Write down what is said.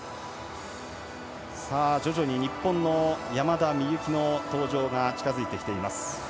徐々に日本の山田美幸の登場が近づいてきています。